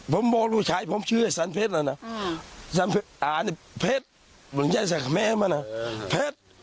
ผมบอกลูกชายผมชื่อสันเผ็ดแล้วนะสันเผ็ดอ่านเผ็ดบริญญาณสังคมมั้ยมั้ยนะเผ็ด